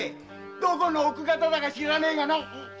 どこの奥方だか知らねえがな。